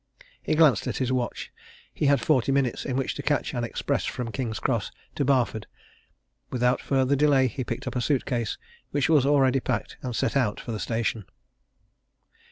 He glanced at his watch he had forty minutes in which to catch an express from King's Cross to Barford. Without further delay he picked up a suit case which was already packed and set out for the station.